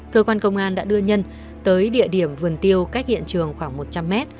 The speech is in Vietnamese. cơ quan công an đã đưa nhân tới địa điểm vườn tiêu cách hiện trường khoảng năm km